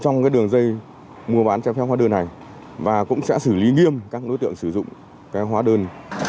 chúng tôi sẽ sử dụng giấy mua bán cho phép hóa đơn này và cũng sẽ xử lý nghiêm các đối tượng sử dụng phép hóa đơn